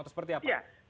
atau seperti apa